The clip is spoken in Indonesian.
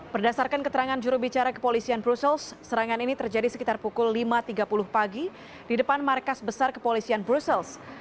berdasarkan keterangan jurubicara kepolisian brussels serangan ini terjadi sekitar pukul lima tiga puluh pagi di depan markas besar kepolisian brussels